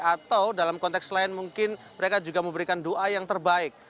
atau dalam konteks lain mungkin mereka juga memberikan doa yang terbaik